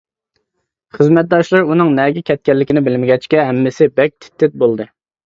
خىزمەتداشلىرى ئۇنىڭ نەگە كەتكەنلىكىنى بىلمىگەچكە، ھەممىسى بەك تىت-تىت بولدى.